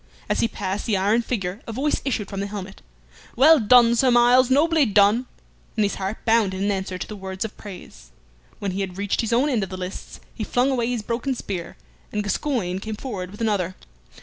As he passed the iron figure a voice issued from the helmet, "Well done, Sir Myles, nobly done!" and his heart bounded in answer to the words of praise. When he had reached his own end of the lists, he flung away his broken spear, and Gascoyne came forward with another.